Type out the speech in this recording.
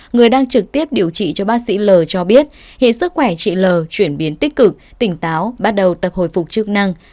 người đang trực tiếp điều trị cho bác sĩ l cho biết hiện sức khỏe chị l chuyển biến tích cực tỉnh táo bắt đầu tập hồi phục chức năng